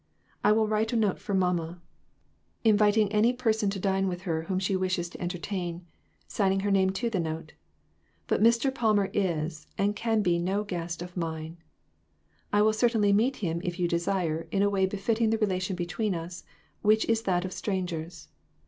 I will write a note for mamma, inviting any person to dine with her J. S. R. 421 whom she wishes to entertain, signing her name to the note ; but Mr. Palmer is, and can be no guest of mine. I will certainly meet him if you desire, in a way befitting the relation between us, which is that of strangers.